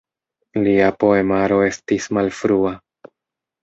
Lia poemaro estis malfrua.